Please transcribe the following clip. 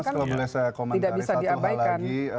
jadi kalau boleh saya komentari satu hal lagi